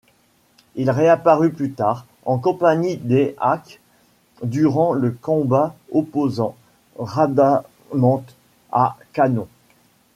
Il réapparut plus tard, en compagnie d’Éaque, durant le combat opposant Rhadamanthe à Kanon.